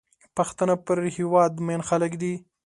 پښتانه پر هېواد مین خلک دي.